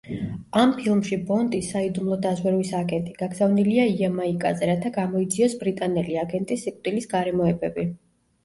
ამ ფილმში ბონდი, საიდუმლო დაზვერვის აგენტი, გაგზავნილია იამაიკაზე, რათა გამოიძიოს ბრიტანელი აგენტის სიკვდილის გარემოებები.